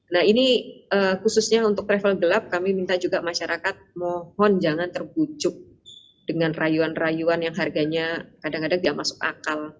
nah ini khususnya untuk travel gelap kami minta juga masyarakat mohon jangan terbujuk dengan rayuan rayuan yang harganya kadang kadang tidak masuk akal